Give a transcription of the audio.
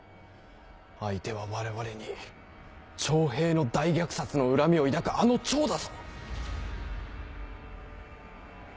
相手は我々に長平の大虐殺の恨みを抱くあの趙だぞ。